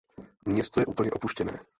Město je úplně opuštěné.